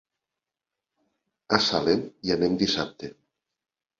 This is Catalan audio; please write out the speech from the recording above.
A Salem hi anem dissabte.